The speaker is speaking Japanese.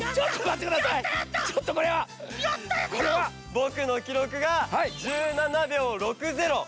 ぼくのきろくが１７秒６０。